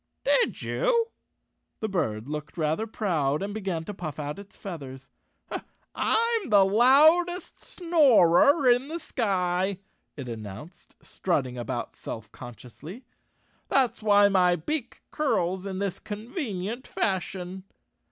"Did you?" The bird looked rather proud and be¬ gan to puff out its feathers. "I'm the loudest snorer in the sky," it announced, strutting about self con ciously. " That's why my beak curls in this convenient fashion."